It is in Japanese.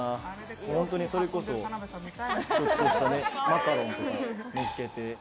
本当にそれこそちょっとしたマカロンとかのっけて。